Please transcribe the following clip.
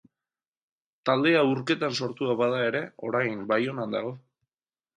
Taldea Urketan sortua bada ere, orain Baionan dago.